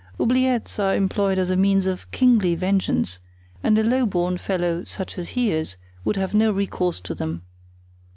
Oubliettes are employed as a means of kingly vengeance, and a low born fellow such as he is would not have recourse to them.